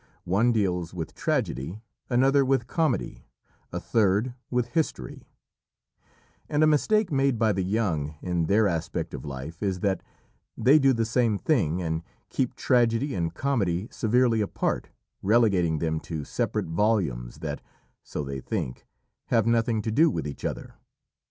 One deals with Tragedy, another with Comedy, a third with History; and a mistake made by the young in their aspect of life is that they do the same thing, and keep tragedy and comedy severely apart, relegating them to separate volumes that, so they think, have nothing to do with each other.